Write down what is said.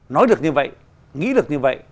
nói được như vậy nghĩ được như vậy